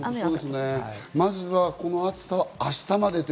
まずはこの暑さは明日まで。